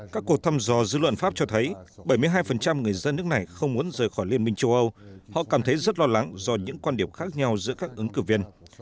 các cuộc thăm dò dư luận pháp cho thấy bảy mươi hai người dân nước này không muốn rời khỏi liên minh châu âu họ cảm thấy rất lo lắng do những quan điểm khác nhau giữa các ứng cử viên